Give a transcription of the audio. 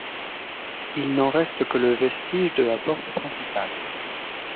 Il n'en reste que le vestige de la porte principale.